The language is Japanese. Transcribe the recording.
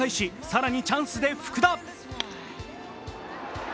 更にチャンスで福田。